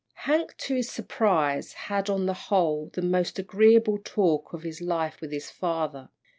Hank, to his surprise, had, on the whole, the most agreeable talk of his life with his father.